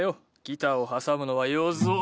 ギターを挟むのはよそう。